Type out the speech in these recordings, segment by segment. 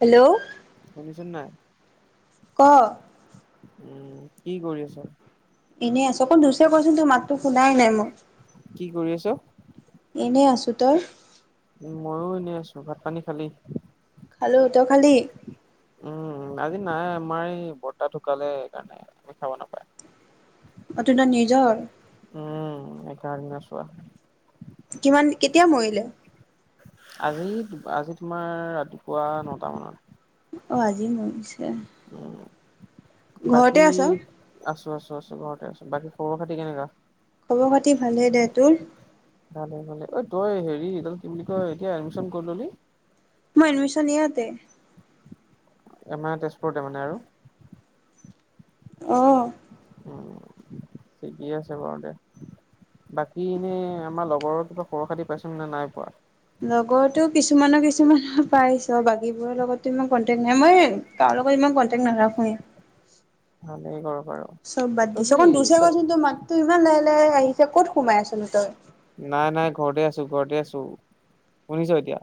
Hello? ছ নাই? ক উম কি কৰি আছ? এনেই আছো, অকন জোৰছে ক'চোন তোৰ মাতটো শুনাই নাই কি কৰি আছ? মই। এনেই আছোঁ। তই? উ মইো এনেই আছো। ভাত পানী খালি? খালো। তই খালি? উম আজি নাই, আমাৰ এই বৰ্তা ঢুকালে সেইকাৰণে আমি খাব নাপায়। অ' তোহোঁতৰ নিজৰ। উম একে বাৰে চুৱা কিমান কেতিয়া মৰিলে? আজি আজি তোমাৰ ৰাতিপুৱা নটা মানত। অ' আজি মৰিছে। উম, ঘৰতে বাকী আছ আছো আছো আছো ঘৰতে আছো। বাকী খবৰ খাতি কেনেকুৱা? খ'বৰ খাতি ভালে দে। তোৰ? ভালে ভালে অ ঐ তই হেৰি এইদাল কি বুলি কয় এতিয়া এডমিশন কৰি ল'লি? মই এডমিশন ইয়াতে এ মানে তেজপুৰতে মানে আৰু। আহ উম ঠিকেই আছে বাৰু দে। বাকী এনে আমাৰ লগৰ কিবা খবৰ খাতি পাইছ নে নাই পোৱা। টো কিছুমানৰ কিছুমান পাইছ বাকী বোৰৰ লগতো ইমান কন্টেক্ট নাই, মই তাৰ লগত ইমান কন্টেক্ট নাই। ৰাখোৱে ভালেই বাৰু বাৰু। চব বাদ তই দিছো। কি অকণ জোৰচে তই ক'চোন তোৰ মাতটো ইমান লাহ আহিছে, ক'ত সোমাই আছিল তই? নাই নাই ঘৰতে আছো ঘৰতে আছো, শুনিছ এতিয়া।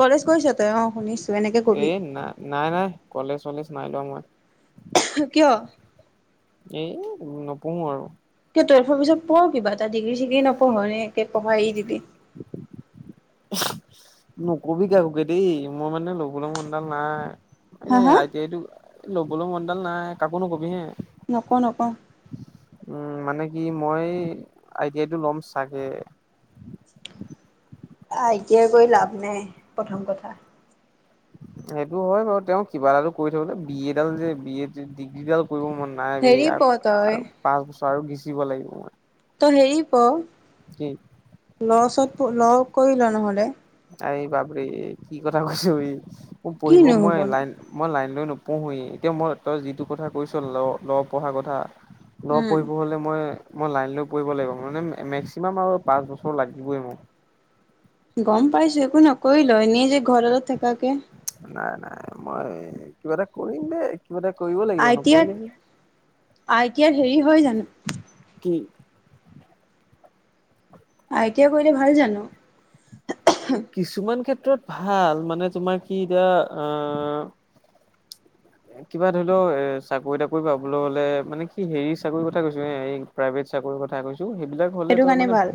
কলেজ গৈছ তই অ শুনিছো। এনেকে এ কবি নাই নাই নাই কলেজ চলেজ নাই যোৱা মই। [unintelligible] কিহৰ? এই নপঢ়ো আৰু। টুৱেফৰ পিছত পঢ় কিবা এটা ডিগ্ৰী চিগ্ৰী নপঢ় নে একে পঢ়া এৰি দিবি? [inaudible] নকবি কাকোকে দেই, মই মানে ল'বলে মনডাল নাই। হা এনে হা আই টি আই টো ল'বলৈ মনডাল নাই, কাকো নোকবি হে। নকওঁ নকওঁ। উম মানে কি মই আই টি আই টো ল'ম চাগে। আই টি আই কৰি লাভ নাই প্ৰথম কথা। সেইটো হয় বাৰু, তেওঁ কিবা এটাটো কৰি থাক বি এ ডাল যে বি এ ডিগ্ৰীডাল কৰিব মন নাই বে হেৰি পঢ় তই আৰু, পাঁচ বছৰ আৰু গিচিব লাগিব মই। তো হেৰি কি পঢ় ল চত ল কৰি ল নহ'লে। আৰে বাপৰে কি কথা কৈছ এই! মোৰ পঢ়িব কিনো মই হ'বনো লাইন মই লাইন লৈ নোপঢ়হোৱেই, এতিয়া মই তই যিটো কথা কৈছ ল ল পঢ়াৰ কথা ল' উম পঢ়িব হ'লে মই মই লাইন লৈ পঢ়িব লাগিব মানে মেক্সিমাম আৰু পাঁচ বছৰ লাগিবই মোক। গম পাইছো একো নহয় কৰি ল এনেই যে ঘৰতে তই থাকাকে। নাই নাই মই কিবা এটা কৰিম দে। কিবা এটা কৰিব লাগিব আই টি আইত নকৰিলে কি, আই টি আইত হেৰি হয় জানো কি? আইটিয়া কৰিলে ভাল জানো? কিছুমান ক্ষেত্ৰত ভাল মানে তোমাৰ কি এতিয়া আ কিবা ধৰি ল এ চাকৰি তাকৰি পাবলৈ হলে মানে কি হেৰি চাকৰি কথা কৈছো এ এই প্ৰাইভেট চাকৰি কথা কৈছো সেইবিলাক হলে সেইটো তই কাৰণে মানে ভাল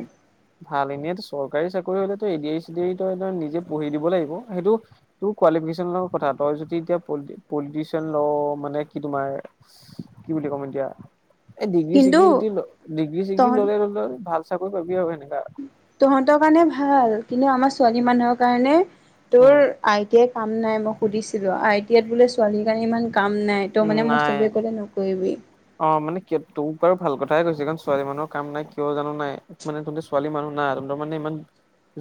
ভাল এনেই চৰকাৰী চাকৰি হলে তই এডি আৰ ই চেদি আৰ ই তই নিজে পঢ়ি দিব লাগিব, সেইটো তোৰ কোৱালিফিকেশ্যনৰ লগত কথা। তই যদি এতিয়া পলিটিচিয়ান ল মানে কি তোমাৰ কি বুলি ক'ম এতিয়া এই ডিগ্ৰী কিন্তু চিগ্ৰী যদি ডিগ্ৰী চিগ্ৰী তহত ললে আৰু তই ভাল চাকৰি পাবি আৰু সেনেক। তহঁতৰ কাৰণে ভাল, কিন্তু আমাৰ ছোৱালী মানুহৰ কাৰণে তোৰ উম আই টি আই কাম নাই মই সুধিছিলো আই টি আইত বোলে ছোৱালীৰ কাৰণে ইমান কাম নাই ত উম মানে মোক নাই সবে ক'লে নকৰিবি। অ মানে ক তোক বাৰু ভাল কথাই কৈছে কাৰণ ছোৱালী মানুহৰ কাম নাই কিয় জানো নাই মানে তহঁতে ছোৱালী মানুহ নাই আৰু মানে ইমান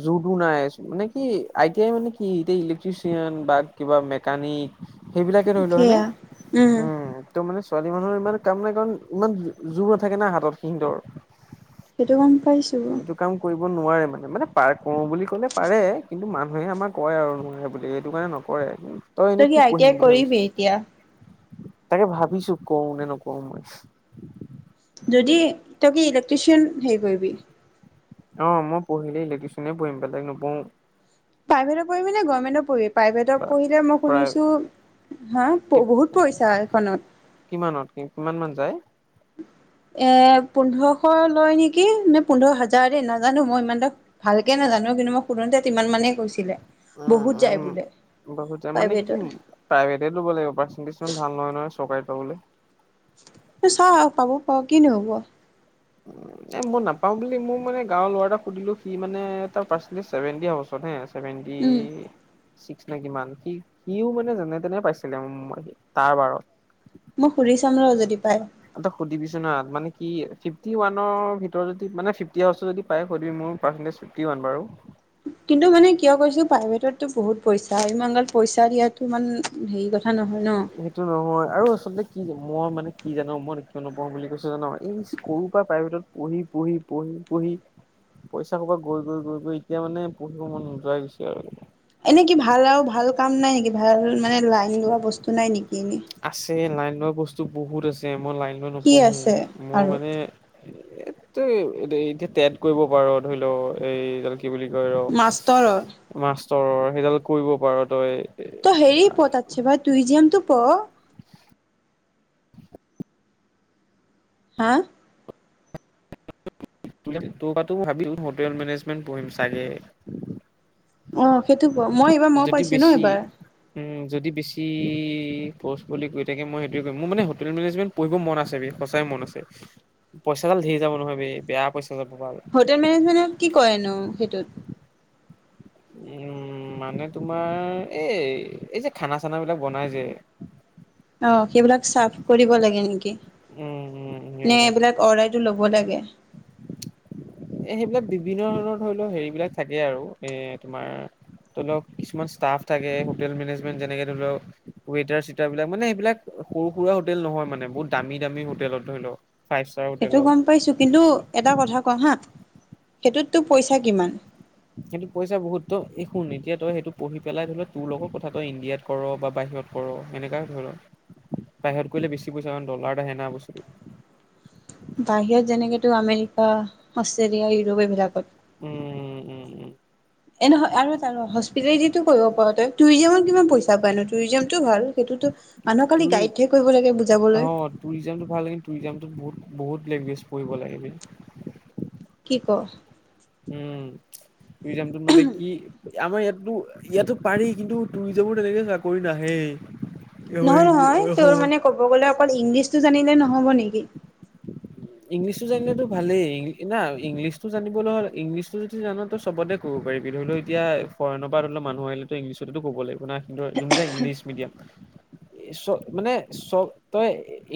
যুৰটো নাই, মানে কি আই টি আই মানে কি এতিয়া ইলেক্ট্ৰিচিয়ান বা কিবা মেকানিক সেইবিলাকে ধৰি লোৱা হয়নে, সেয়া উম তহ মানে ছোৱালী মানুহৰ ইমান কাম নাই কাৰণ, ইমান জোৰ নাথাকে না হাতত সিহঁতৰ সেইটো গম পাইছোঁ। এইটো কাম কৰিব নোৱাৰে মানে, মানে পাৰ কৰো বুলি কলে পাৰে, কিন্তু মানুহে আমাৰ কয় আৰু নোৱাৰে বুলি এইটো কাৰণে নকৰে। তই এনেই কি আই টি পঢ়িম আই বুলি ভাবিছ। কৰিবি এতিয়া তাকে ভাবিছো কৰোঁ নে নকৰোঁ। যদি, তই কি ইলেক্ট্ৰিচিয়ান হেৰি কৰিবি। অ মই পঢ়িলে ইলেকট্ৰিচিয়ানে পঢ়িম, বেলেগ নপঢ়ো। প্ৰাইভেটত পঢ়িবি নে গৰ্মেণ্টত পঢ়িবি প্ৰাইভেটত পঢ়িলে মই প্ৰায় শুনিছোঁ, হা বহুত পইচা এখনত কিমানত কি, কিমান মান যায়? [inaudible] এ পোন্ধৰশ লয় নেকি, নে পোন্ধৰ হাজাৰ দেই নাজানো, মই ইমানটা ভালকে নাজানোঁ মানু্হক কিন্তু মই শুধুতে তিমান মানে কৈছিলে, উম বহুত যায় বোলে। বহুত যায় মানে কি, প্ৰাইভেটত প্ৰাইভেটে লব লাগিব পাৰ্চেন্টিজটো ইমান ভাল নহয় নহয়, চৰকাৰীত লবলে এহ চাওঁ পাবও পাওঁ, কিনো হব এহ মই নাপাওঁ বুলি মোৰ মানে গাঁৱৰ লৰা এটাক সুধিলো, সি মানে তাৰ পাৰ্চেন্টিজটো ছেভেনটি এহ ওচৰত এহ আছে। ছেভেনটি উম চিক্স নে কিমান, সি সিও মানে যেনে তেনে পাইছিলে তাৰ বাৰত মই সুদি চাম ৰহ যদি পায় তই সুধিবি চুন হা, মানে কি ফিফটি ৱানৰ ভিতৰত যদি মানে ফিফ হা যদি পায় কৈ দিবি মোক। বাৰু! কিন্তু মানে কিয় কৈছো প্ৰাইভেটতটো বহুত পইচা ইমান গাল পইচা দিয়াতো ইমান হেৰি কথা নহয় ন সেইটো নহয় আৰু আচলতে কি মই মানে কি জানো মই কিয় নপঢ়ো বুলি কৈছো জানো এই সৰুৰ পৰা প্ৰাইভেটত পঢ়ি পঢ়ি পঢ়ি পঢ়ি পইচা সোপা গৈ গৈ গৈ গৈ এতিয়া মানে পঢ়িব মন নোযোৱাই গৈছে আৰু। এনে কি ভাল আৰু ভাল কাম নাই নেকি ভাল মানে লাইন লোৱা বস্তু নাই নেকি? এনে আছে, লাইন লোৱা বস্তু বহুত আছে। মই লাইন লৈ কি নপঢ়ো আছে মই আৰু মানে এ তই এতিয়া তেট কৰিব পাৰ ধৰি ল' এই কি বুলি কয় ৰ, মাষ্টৰৰ মাষ্টৰৰ সেইডাল কৰিব পাৰ তই। ত' হেৰি পঢ় তাতচে ভাই তুৰিজিয়ামটো পঢ়। হা? [unintelligible] ভাবি হোটেল মেনেজমেন্ট পঢ়িম চাগে। অ' সেইটো পঢ় মই এইবাৰ মই যদি পাইছো ন বেছি এইবাৰ। উম, যদি বেছি খৰচ বুলি কৈ তাকে মই সেইটোৱে কৰিম। মোৰ মানে হোটেল মেনেজমেণ্ট পঢ়িব মন আছে বে। সঁচাই মন আছে পইচাডাল ধেই যাব নহয় বে বেয়া পইচা। যাব ভাল হোটেল মেনেজমেণ্টত কি কৰেনো সেইটোত? উম। উম, মানে তোমাৰ এই এই যে খানা-চানা বিলাক বনাই যে। অ' সেইবিলাক চাফ কৰিব লাগে নেকি। উম উম নে সেইবিলাক এইবিলাক অৰাইটো ল'ব লাগে। এ সেইবিলাক বিভিন্ন ধৰণৰ ধৰি লও হেৰি বিলাক থাকে আৰু এ তোমাৰ ধৰি লওক কিছুমান ষ্টাফ থাকে হোটেল মেনেজমেণ্ট যেনেকে ধৰি লওক ৱটাৰ চৱেটাৰ বিলাক মানে এইবিলাক সৰু-সুৰা হোটেল নহয় মানে বহুত দামী-দামী হোটেলত ধৰি লওক ফাইভ ষ্টাৰ সেইটো হোটেলত গম পাইছোঁ কিন্তু এটা কথা কওঁ হা সেইটোততো পইচা কিমান? [unintelligible] পইচা বহুত তয় এই শুন এতিয়া তই সেইটো পঢ়ি পেলাই ধৰি লও তোৰ লগত কথা তই ইণ্ডিয়াত কৰ বা বাহি [unintelligible] কৰোঁ সেনেকাই। [unintelligible] বাহিৰত কৰিলে বেছি পইছা কাৰণ ডলাৰত আহে না বস্তুতো। বাহিৰত যেনেকেতো আমেৰিকা অষ্ট্ৰেলিয়া ইউৰোপ এইবিলাকত। উম, উম-উম। এ নহয় আৰু এটা ৰ [unintelligible] কৰিব পাৰ তই [unintelligible] কিমান পইচা পাই নো [unintelligible] ভাল। সেইটোতো মানুহক খালি টুই গাইডহে কৰিব লাগে অ' বুজাবলৈ টুৰিজামটো ভাল লাগে টুৰিজামটোত বহুত বহুত ল্যাঙ্গুয়েজ পঢ়িব লাগে বে। কি ক? উম, [unintelligible] মানে কি আমাৰ ইয়াতো-ইয়াতো পাৰি কিন্তু টুৰিজমৰ তেনেকে চাকৰি নাহেই। আমাৰ নহয়-নহয় তোৰ অসমত মানে ক'ব গলে অকল ইংলিছটো জানিলে নহব নেকি? ইংলিছটো জানিলেতো ভালেই না ইংলিছটো জানিবলৈ হ'ল ইংলিছটো যদি জান তোৰ চবতে কো [unintelligible] এতিয়া ফৰেনৰ পৰা ধৰি লওঁ মানুহ আহিলেটো ইংলিছতেটো ক'ব লাগিব না কিনটো যোন বিলাক ইংলিছ মিডিয়াম চ মানে চব তই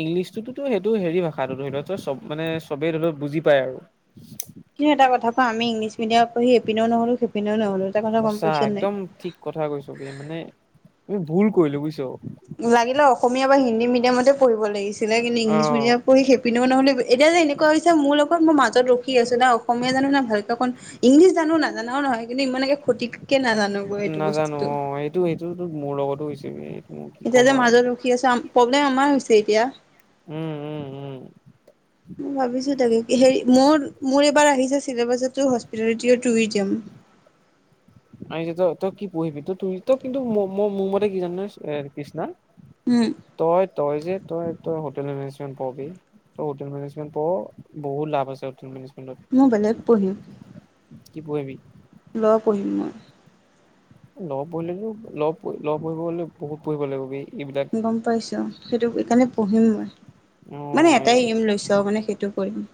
ইংলিছটোতো সেইটো হেৰি ভাষাটো ধৰি লওঁ তোৰ চব মানে চবেই ধৰিলো বুজি পায় আৰু। কিন্তু এটা কথা কও আমি ইংলিছ মিডিয়ামত পঢ়ি এপিনেও নহলো সেইপিনেও নহলো। এটা কথা গম সঁচা পাইছ নাই। একদম ঠিক কথা কৈছ বে মানে আমি ভুল কৰিলো বুইচ। লাগিলে অসমীয়া বা হিন্দী মিডিয়ামতে পঢ়িব লাগিছি অ ইংলিছ মিডিয়াম পঢ়ি সেপিনেও নহলে, এতি যে এনেকুৱা হৈছে মোৰ লগত মই মাজত ৰখি আছো না অসমীয়া ন' নাই ভালকে অকন ইংলিছ জানো নাজানাও নহয় কিন্তু ইমানকে ক্ষতিকে নাজানো গৈ এইটো নাজানো বস্তুটো। অ এইটো এইটো মোৰ লগতো হৈছে বে। মই কি এতিয়া ক'ম যে আৰু মাজত মানে ৰখি আছো প্ৰব্লেম আমাৰ হৈছে এতিয়া। উম, উম, উম, মই ভাবিছো তাকে হেৰি মোৰ-মোৰ এইবাৰ আহিছে চছিলিলেবাছতো হস্পিটেৰিটেও টুৰিজম আহিছে তই তই কি পঢ়িবি তই তু তই কিন্তু মোৰ মতে কি জান নহয় এ কৃষ্ণা উম তই তই যে তই তই হোটেল মেনেজমেণ্ট পবি ত হোটেল মেনেজমেট প বহুত লাভ আছে হোটেল মেনেজ মই বেলেগ পঢ়িম কি পহিবি ল' পঢ়িম মই। ল' পঢ়িলেটো ল' ল' পঢ়িব গলে বহুত পঢ়িব লাগিব বে। এইবিলাক গম পাইছো সেইটো এইকাৰণে পঢ়িম অ মই। মানে এটাই এইম লৈছো মানে সেইটো কৰিম।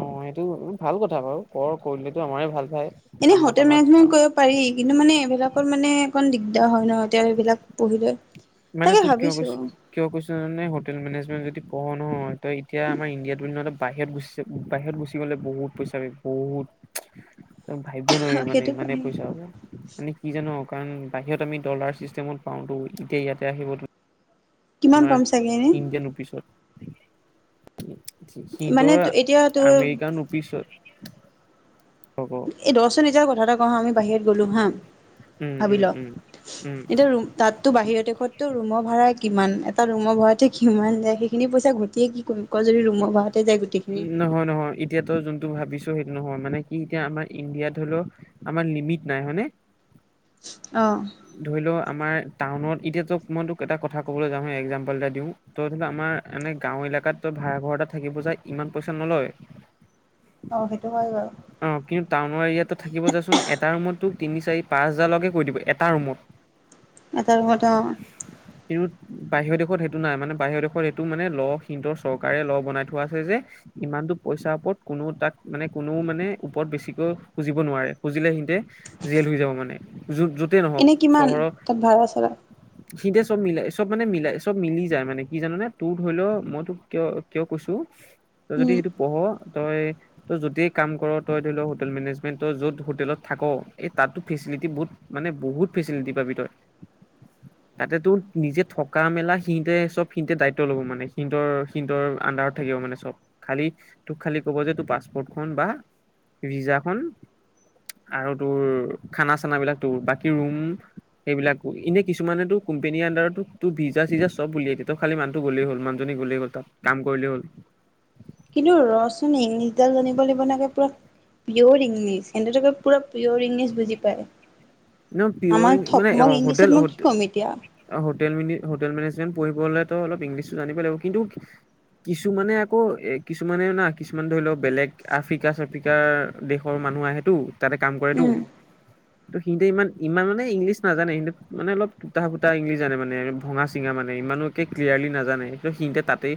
অ সেইটো ভাল কথা বাৰু কৰ কৰিলেটো আমাৰে ভাল ভায়। এনে হোটেল মেনেজমেণ্ট কৰিব পাৰি কিন্তু মানে এইবিলাকত মানে অকন দিগদাৰ হয় ন' তেল বিলাক পঢ়িলে। মানে তাকে তোক কিয় ভাবিছো কৈছো কিয় কৈছো জান'নে হোটেল মেনেজমেণ্ট যদি পঢ় নহয় তই এতিয়া আমাৰ ইণ্ডিয়াটো [unintelligible] বাহিৰত গুচি বাহিৰত গুচি গ'লে বহুত পইচা বে বহুত। ভাবিব নোৱাৰি মানে সেইটো ইমানে পাৰি পইচা হ'ব মানে কি জানো? কাৰণ বাহিৰত আমি ডলাৰ চিষ্টেমত পাওঁতো, এতিয়া ইয়াতে আহিব কিমান আমাৰ পাম চাগে এনে ইণ্ডিয়ান ৰূপীছত মানে সিহঁতৰ এতিয়া তোৰ আমেৰিকান ৰূপীছত। এই দশজনি যে কথা এটা কও হাঁ আমি বাহিৰত গ'লো হাঁ। উম, উম, উম, উম এতিয়া ৰুম তাতো বাহিৰৰ দেশতটো ৰুমৰ ভাড়া কিমান, এটা ৰুমৰ ভাড়াতে কিমান যায় সেইখিনি পইচা এয়া ঘটিয়ে কি কৰিম? ক যদি ৰুমৰ উম, ভাড়াতে যায় উম, গোটেইখিনি নহয় নহয় এতিয়া তই যোনটো ভাবি ছ' সেইটো নহয় মানে কি এতিয়া আমাৰ ইণ্ডিয়াত ধৰি ল' আমাৰ লিমিট নাই হয় নে? অ', আমাৰ টাউনত এতিয়া ত' মই তোক এটা কথা কবলৈ যাওঁ একজাম্পল এটা দিওঁ ত' ধৰি ল' আমাৰ এনে গাঁৱত ইলাকাত তই ভাড়া ঘৰ এটা থাকিব যাই ইমান পইচা নলয় অ', সেইটো হয় বাৰু। অ কিন্তু টাউনৰ এৰিয়াতো থাকিব যাচোন এটা ৰুমত তোক তিনি, চাৰি, পাঁচ হাজাৰ লৈকে কই দিব এটা ৰুমত। এটা ৰোমত অ', কিন্তু বাহিৰৰ দেশত সেইটো নাই মানে বাহিৰৰ দেশত সেইটো মানে ল' সিনটৰ চৰকাৰে ল' বনাই থোৱা আছে যে ইমানতো পইচাৰ ওপৰত কোনো তাক মানে কোনো মানে ওপৰত বেছিকৈ খুজিব নোৱাৰে খুজিলে সিহঁতে জেইল হৈ যাব মানে, য য'তেই নহওক এনে কিমান চহৰত। তাত ভাড়া চাড়া সিহঁতে চব মিলাই, চব মানে মিলাই, চব মিলি যায় মানে কি জান'নে তোৰ ধৰি ল' মই তোক কিয় কিয় কৈছো তই যদি উম সেইটো পঢ় তই-তই যতেই কাম ক'ৰ, তই ধৰি ল' হোটেল মেনেজমেন্ট তই য'ত হোটেলত থাক এই তাতো ফেচি লিটী বহুত মানে বহুত ফেচিলিটী পাবি তই। তাতে তোৰ নিজে থকা মেলা সিহঁতে চব সিহঁতে দায়িত্ব ল'ব মানে সিহঁতৰ সিহঁতৰ আণ্ডাৰ থাকিব মানে চব, খালি তোক খালি কব যে তোৰ পাছপ'ৰ্টখন বা ভিজা খন আৰু তোৰ খানা চানা বিলাক বাকি ৰুম সেইবিলাকো এনে কিছুমানে তো কোম্পানীৰ আডাৰতো ত ভিজা চিজা চব উলিয়াই দিয়ে। তই খালী মানুহটো গলেই হল মানুজনী গলেই হল তাত কাম কৰিলেই হল। কিন্তু ৰচোন ইংলিছডাল জানিব লাগিব নহয় একে পুৰা পিয়ৰ ইংলিছ সিহতোকে পুৰা পিয়ৰ ইংলিছ বুজি পায়। ন আমাৰ পিয়ৰ মানে অ থকমক ইংলিছত হোটেল মই কি ক'ম এতিয়া হোটেল মিনি হোটেল মেনেজমেণ্ট পঢ়িবলেতো অলপ ইংলিছো জানিবই লাগিব কিন্তু কিছুমানে আকৌ এ কিছুমানেও না কিছুমানে ধৰি লওক বেলেগ আফ্ৰিকা চাফ্ৰিকাৰ দেশৰ মা মানুহ আহেটো তাতে কাম কৰেটো উম সিহঁতে ইমান-ইমান মানে ইংলিছ নাজানে সিহঁতে মানে অলপ তুটা ফুটা ইংলিছ জানে মানে ভঙা চিঙা মানে ইমানো ক্লিয়াৰলি নাজানে সিহঁতে তাতে,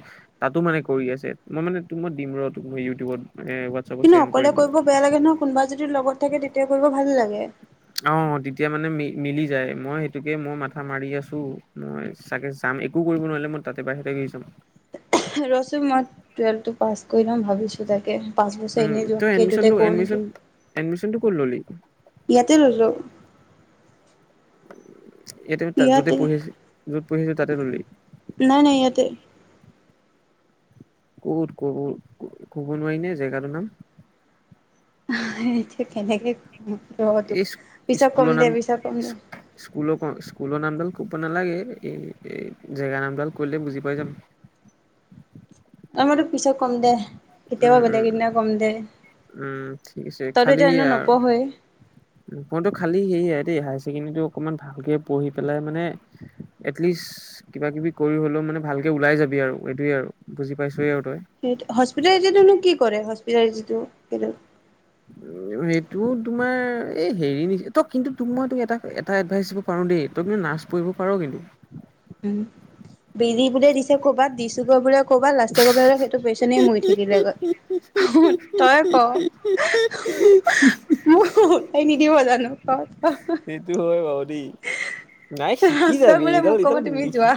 তাতো মানে কৰি আছে মই মানে তোৰ মই দিম ৰ' তোক মই ইউটিউবত এ হোৱাটছএপত কিন্তু চেণ্ড অকলে কৰিম ৰ কৰিব বেয়া লাগে নহয় কোনোবা যদি লগত থাকে তেতিয়া কৰিব ভাল লাগে। অ', তেতিয়া মানে ম মিলি যায় মই সেইটোকে মই মাথা মাৰি আছোঁ মই চাগে যাম একো কৰিব নোৱাৰিলে মই তাতে বাহিৰতে গুছি যাম। ৰ'চোন মই টুৱেলভটো পাছ কৰি লও ভাবিছোঁ তাকে, পাঁচ বছৰ এনেই তই যোৱাতকে এইটোতে এডমিচনটো কৰোঁ এডমিচন নেকি। উম, এডমিচনটো ক'ত ললি? [unintelligible] এ তুমি তাত যোতে ইয়াতে পঢ়িআছি যত পঢ়ি আছিলি তাতে ললি। নাই নাই ইয়াতে কত কত ক'ব নোৱাৰি নে জেগাৰ নাম। সেইটো কেনেকে ৰ এই তোক পিছত স্কুলৰ কম নাম দে পিছত কম দে। স্কুলৰ স্কুলৰ নামডাল ক'ব নালাগে এ জেগা নামডাল কলে বুজি পাই যাম। [unintelligible] এই মই তোক পিছত কম দে কেতিয়াবা বেলেগ উম উম এদিনা কম দে। উম ঠিক আছে তইতো খালি এতিয়া এনেও সেয়া নপঢ়ই মইতো খালি সেইয়াই দেই হাইছেকেণ্ডাৰী অকমান ভালকে পঢ়িপেলাই মানে এতলিষ্ট কিবা কিবি কৰি হলেও মানে ভালকে ওলাই যাবি আৰু এইটোয়ে আৰু বুজি পাইছোৱয়েই আৰু তই হজপিৰাইজি টো নো কি কৰে উম। সেইটো তোমাৰ এই হেৰি নিকি ত কিন্তু তোক মই এটা এডভাইচ দিব পাৰো দেই ত কিন্তু ন নাছ পৰিব পাৰ কিন্তু। উম বেজি বোৰে দিছে ক'ৰবাত দিছোগৈ বোলে কৰ'বাত লাষ্টে কবলে সেইটো পেচনে মৰি থাকিলেগৈ তই ক মোক উলাই নিদিব জানো ক। এইটো হয় বাৰু দেই। নাই শিকি লাষ্টত যাবি বোলে এইডাল মোক ক'ব এইডাল তুমি নিশি যোৱা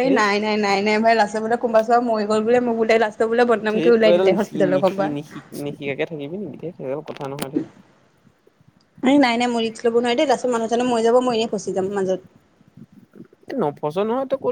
এই নাই নাই নাই নাই ভাই লাষ্টত বোলে কোবা মৈ গল বোলে মোৰ বোলে লাষ্টত বোলে বদনামকে সেই ওলাই তই এডাল দিলে নিশি হস্পিটেলৰ নিশি কোনোবা নিশিক নিশিকাকে থাকিবি নেকি সেইড কথা নহয়েই এ নাই নাই মোৰ ৰি্চ ল'ব নোৱাৰি দেই তাৰপছত মানুহজনে মই যাব মই এনেই খচি যাম মাজত ন ফচ নহয় তো ক